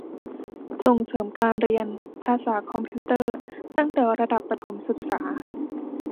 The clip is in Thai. ส่งเสริมการเรียน ภาษาคอมพิวเตอร์ ตั้งแต่ระดับประถมศึกษา